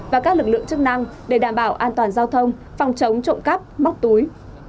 và các lực lượng chức năng để đảm bảo an toàn giao thông phòng chống trộm cắp móc túi